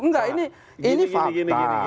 enggak ini fakta